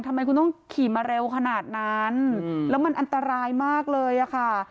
ทำไมคุณต้องขี่มาเร็วขนาดนั้นแล้วมันอันตรายมากเลยอะค่ะ